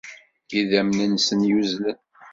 Idammen-nsen yuzzlen!